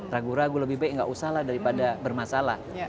ragu ragu lebih baik nggak usah lah daripada bermasalah